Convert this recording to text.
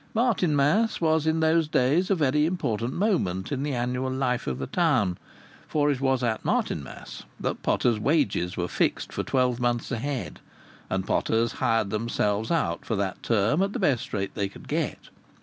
Martinmas was in those days a very important moment in the annual life of the town, for it was at Martinmas that potters' wages were fixed for twelve months ahead, and potters hired themselves out for that term at the best rate they could get.